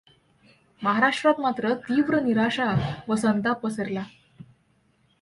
महाराष्ट्रात मात्र तीव्र निराशा व संताप पसरला.